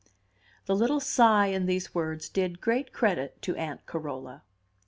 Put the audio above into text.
The little sigh in these words did great credit to Aunt Carola.